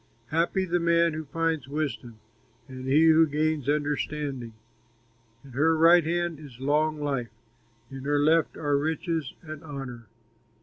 Happy the man who finds wisdom, And he who gains understanding. In her right hand is long life, In her left are riches and honor.